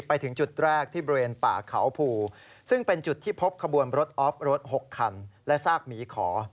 ไปถึงจุดแรกที่บริเวณป่าเขาภูซึ่งเป็นจุดที่พบขบวนรถออฟรถ๖คันและซากหมีขอ